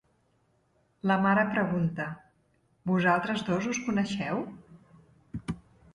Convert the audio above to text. La mare pregunta: "Vosaltres dos us coneixeu?".